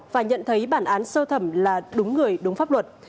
và nhận thấy bản án sơ thẩm là đúng người đúng pháp luật